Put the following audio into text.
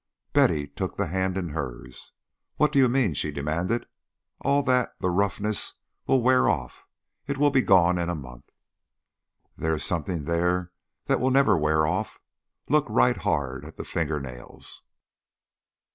Betty took the hand in hers. "What do you mean?" she demanded. "All that the roughness will wear off. It will be gone in a month." "There is something there that will never wear off. Look right hard at the finger nails."